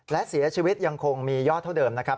และเสียชีวิตยังคงมียอดเท่าเดิมนะครับ